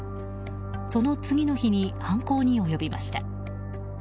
その次の日に犯行に及びました。